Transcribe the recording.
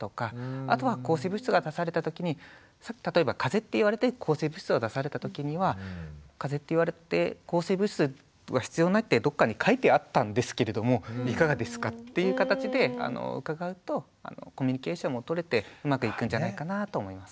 あとは抗生物質が出された時に例えばかぜって言われて抗生物質を出された時には「かぜって言われて抗生物質は必要ないってどっかに書いてあったんですけれどもいかがですか？」っていう形で伺うとコミュニケーションも取れてうまくいくんじゃないかなと思います。